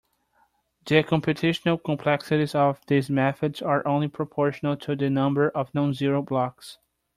The computational complexities of these methods are only proportional to the number of non-zero blocks.